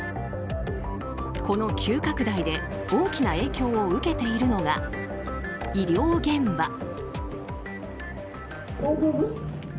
この急拡大で大きな影響を受けているのが医療現場。